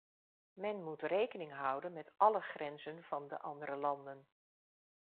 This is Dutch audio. Men moet rekening houden met alle grenzen van de andere landen.